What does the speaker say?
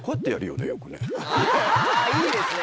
あぁいいですね。